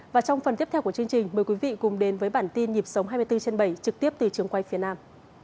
và trong phần tiếp theo của chương trình mời quý vị cùng đến với bản tin nhịp sống hai mươi bốn trên bảy trực tiếp từ trường quay phía nam